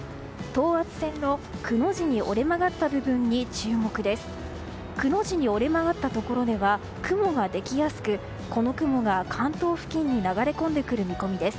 等圧線の、くの字に折れ曲がった部分に注目です。